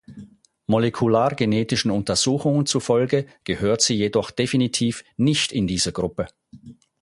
Molekulargenetischen Untersuchungen zufolge gehört sie jedoch definitiv nicht in diese Gruppe.